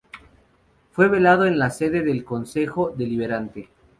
Fue velado en la sede del Consejo Deliberante.